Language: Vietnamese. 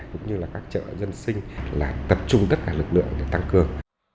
cũng như là các chợ dân sinh là tập trung tất cả lực lượng để tăng cường